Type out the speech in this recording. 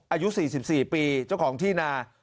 อายุ๔๔ปีเจ้าของที่นา